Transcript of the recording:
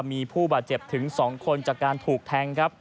มีผู้บาดเจ็บถึง๒คนจากการถูกแทงครับ